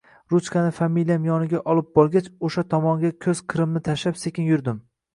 Ruchkani familiyam yoniga olib borgach, o`sha tomonga ko`z-qirimni tashlab, sekin yurdim